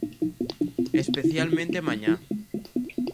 Especialmente mañá.